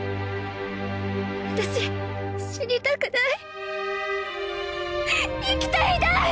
私死にたくない生きていたい！